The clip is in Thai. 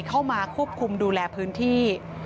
เข้ามาควบคุมดูแลพื้นที่